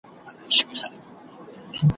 هم یې وکتل لکۍ او هم غوږونه ,